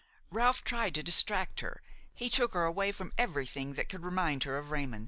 Ralph tried to distract her; he took her away from everything that could remind her of Raymon.